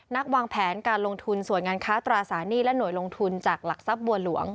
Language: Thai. วางแผนการลงทุนส่วนงานค้าตราสารหนี้และหน่วยลงทุนจากหลักทรัพย์บัวหลวง